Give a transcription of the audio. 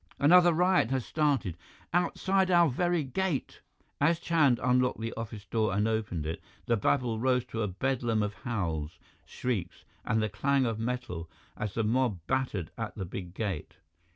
Another riot has started, outside our very gate!" As Chand unlocked the office door and opened it, the babble rose to a bedlam of howls, shrieks, and the clang of metal as the mob battered at the big gate.